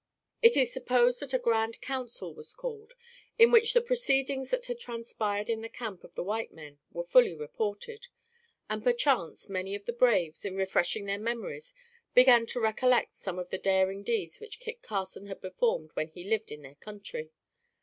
It is supposed that a grand council was called, in which the proceedings that had transpired in the camp of the white men were fully reported, and perchance, many of the braves, in refreshing their memories, began to recollect some of the daring deeds which Kit Carson had performed when he lived in their country.